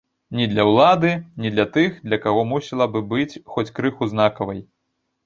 Ні для ўлады, ні для тых, для каго мусіла б быць хоць крыху знакавай.